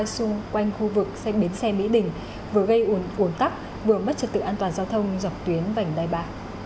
xung quanh khu vực xe bến xe mỹ đình vừa gây ổn tắc vừa mất trật tự an toàn giao thông dọc tuyến vành đai bà